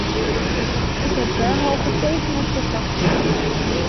Ik heb derhalve tegen het verslag gestemd.